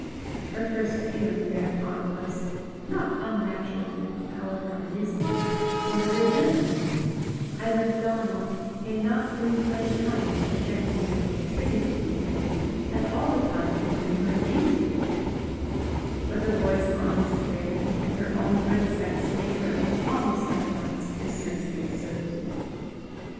Her first feeling thereupon was, not unnaturally however unreasonably, one of resentment as if Donal, in not doing her the kindness her fancy had been attributing to him, had all the time been doing her an injury; but the boy's honest bearing and her own good sense made her, almost at once, dismiss the absurdity.